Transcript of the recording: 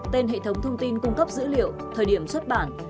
tên hệ thống thông tin cung cấp dữ liệu thời điểm xuất bản